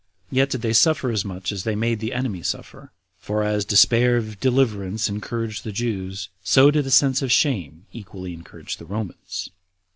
Yet did they suffer as much as they made the enemy suffer; for as despair of deliverance encouraged the Jews, so did a sense of shame equally encourage the Romans.